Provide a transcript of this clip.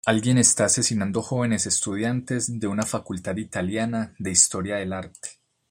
Alguien está asesinando jóvenes estudiantes de una facultad italiana de Historia del Arte.